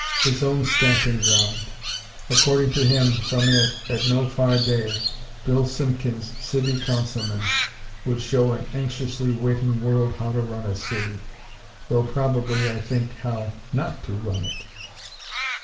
His own stamping ground! According to him, from it, at no far day, "Bill Simpkins, City Councilman," would show an anxiously waiting world how to run a city; though probably, I think, how not to run it.